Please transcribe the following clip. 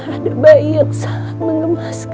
ada bayi yang sangat mengemaskan